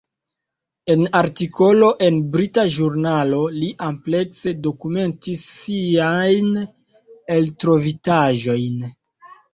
En artikolo en brita ĵurnalo li amplekse dokumentis siajn eltrovitaĵojn.